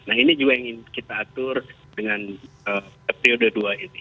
nah ini juga yang ingin kita atur dengan periode dua ini